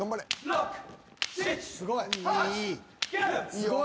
すごい。